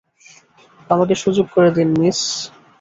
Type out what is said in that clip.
আমাকে সুযোগ দিন, মিস।